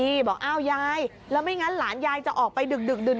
นี่บอกอ้าวยายแล้วไม่งั้นหลานยายจะออกไปดึกดื่น